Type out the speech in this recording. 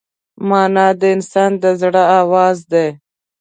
مانا د انسان د زړه آواز دی.